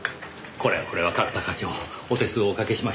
これはこれは角田課長お手数をおかけました。